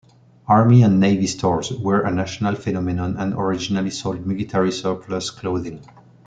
"Army and Navy Stores" were a national phenomenon and originally sold military-surplus clothing.